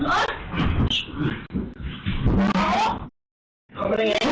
เข้ามาได้ไง